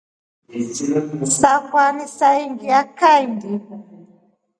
Sakwa nisailinga kahindi.